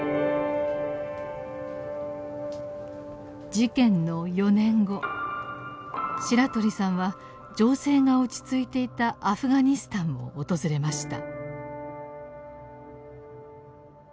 事件の４年後白鳥さんは情勢が落ち着いていたアフガニスタンを訪れました。